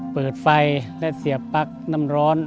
เปิดไฟและเสียบปลั๊กน้ำร้อน